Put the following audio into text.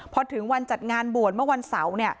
พอถึงวันจัดงานบวชเมื่อวันเสาร์